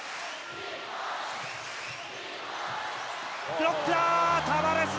ブロックだ。